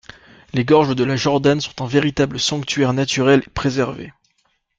Les gorges de la Jordanne sont un véritable sanctuaire naturel préservé.